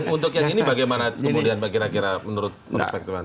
untuk yang ini bagaimana kemudian pak kira kira menurut perspektif anda